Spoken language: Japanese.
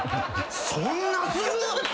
そんなする！？